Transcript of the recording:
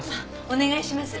お願いします。